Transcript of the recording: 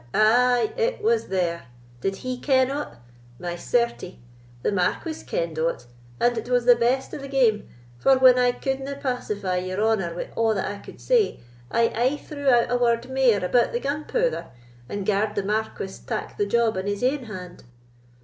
Ay, it was there. Did he ken o't? My certie! the Marquis kenn'd o't, and it was the best o' the game; for, when I couldna pacify your honour wi' a' that I could say, I aye threw out a word mair about the gunpouther, and garr'd the Marquis tak the job in his ain hand."